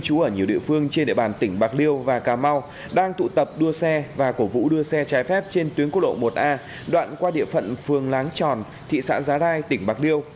chú ở nhiều địa phương trên địa bàn tỉnh bạc liêu và cà mau đang tụ tập đua xe và cổ vũ đua xe trái phép trên tuyến quốc lộ một a đoạn qua địa phận phường láng tròn thị xã giá rai tỉnh bạc liêu